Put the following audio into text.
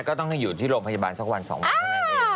ก็ต้องให้อยู่ที่โรงพยาบาลสักวัน๒วันเท่านั้นเอง